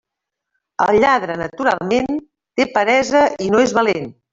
El lladre naturalment, té peresa i no és valent.